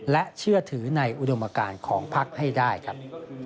และเชื่อถือในอุดมการของพักให้ได้ครับ